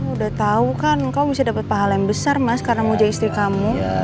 udah tahu kan kamu bisa dapat pahala yang besar mas karena mujahi istri kamu